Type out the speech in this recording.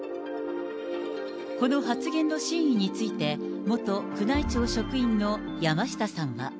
この発言の真意について、元宮内庁職員の山下さんは。